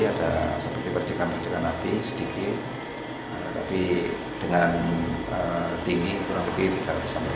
ada seperti perjalanan api sedikit tapi dengan tinggi kurang lebih tiga ratus sampai lima ratus di lokasi lain